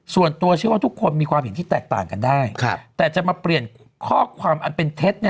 ส่วนตัวเชื่อว่าทุกคนมีความเห็นที่แตกต่างกันได้แต่จะมาเปลี่ยนข้อความอันเป็นเท็จ